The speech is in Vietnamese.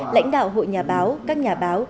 lãnh đạo hội nhà báo các nhà báo